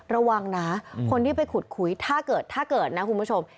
ระวังนะคนที่ไปขุดคุยถ้าเกิดถ้าเกิดนะคุณผู้ชม